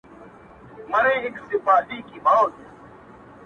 عاقبت به یې په غوښو تود تنور وي -